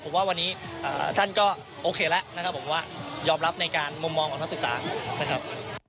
ผมว่าวันนี้ท่านก็โอเคแล้วนะครับผมว่ายอมรับในการมุมมองของนักศึกษานะครับ